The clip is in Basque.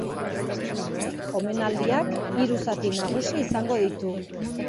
Omenaldiak hiru zati nagusi izango ditu.